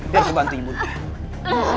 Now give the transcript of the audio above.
biar kubantuin bunda